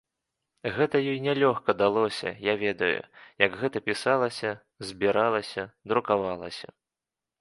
Гэта ёй нялёгка далося, я ведаю, як гэта пісалася, збіралася, друкавалася.